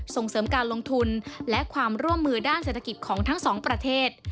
ส่งเสริมการลงทุนและความร่วมมือด้านเศรษฐกิจของทั้งสองประเทศ